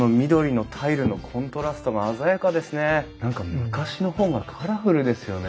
何か昔の方がカラフルですよね。